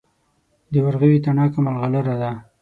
د ورغوي تڼاکه ملغلره ده.